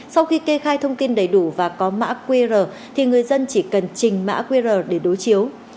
sau khi kê khai thông tin đầy đủ và có mã qr thì người dân chỉ cần trình mã qr để đối chiếu